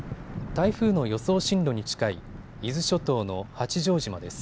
台風の予想進路に近い伊豆諸島の八丈島です。